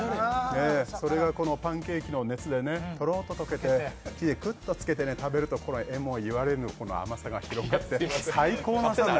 それがこのパンケーキの熱でとろっととけて、これをつけて食べるとえもゆわれぬ甘さが広がって。